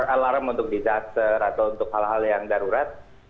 alarm untuk disaster atau untuk hal hal yang darurat